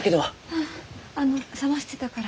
ああの冷ましてたから。